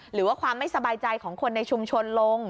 หรือว่าความไม่สบายใจของคนในชุมชนลง